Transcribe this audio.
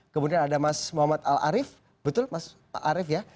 kemudian ada mas muhammad al arief betul mas arief ya